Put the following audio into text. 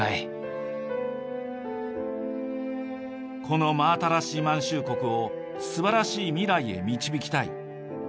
この真新しい満州国を素晴らしい未来へ導きたい。